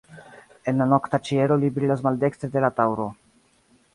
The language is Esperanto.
En la nokta ĉielo li brilas maldekstre de la Taŭro.